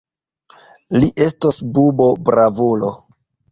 Li estos bubo-bravulo!